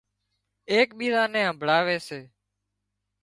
ايڪ ٻيزان نين همڀۯاوي سي